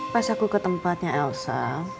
pas aku ke tempatnya elsa